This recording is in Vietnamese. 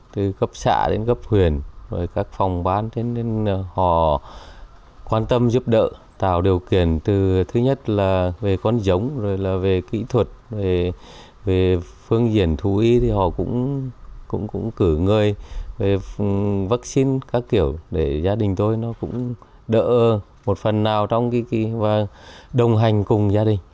từ cấp xã đến cấp huyền các phòng bán họ quan tâm giúp đỡ tạo điều kiện từ thứ nhất là về con giống về kỹ thuật về phương diện thú y thì họ cũng cử người về vaccine các kiểu để gia đình tôi cũng đỡ một phần nào trong kỳ kỳ và đồng hành cùng gia đình